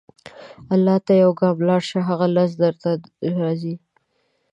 الله ته یو ګام لاړ شه، هغه لس درته راځي.